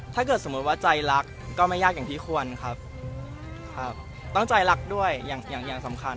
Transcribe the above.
ถ้าเกิดสมมุติว่าใจรักก็ไม่ยากอย่างที่ควรครับครับต้องใจรักด้วยอย่างอย่างสำคัญ